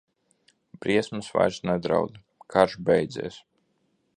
Briesmas vairs nedraud, karš beidzies.